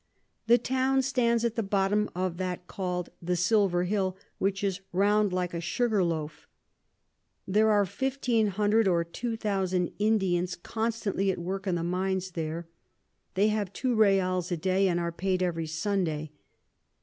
The Town stands at the bottom of that call'd the Silver Hill, which is round like a Sugar Loaf. There are 1500 or 2000 Indians constantly at work in the Mines here; they have two Reals a day, and are paid every Sunday.